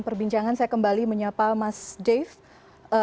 perbincangan saya kembali menyapa mas dave